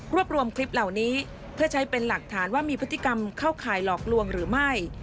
รวมคลิปเหล่านี้เพื่อใช้เป็นหลักฐานว่ามีพฤติกรรมเข้าข่ายหลอกลวงหรือไม่